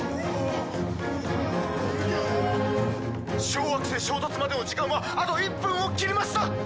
「小惑星衝突までの時間はあと１分を切りました！」